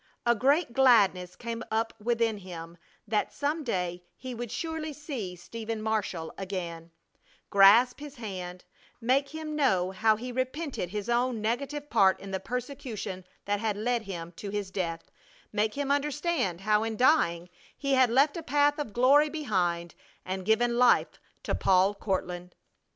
A great gladness came up within him that some day he would surely see Stephen Marshall again, grasp his hand, make him know how he repented his own negative part in the persecution that had led him to his death; make him understand how in dying he had left a path of glory behind and given life to Paul Courtland.